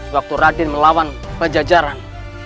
waktu raden melawan pejajaran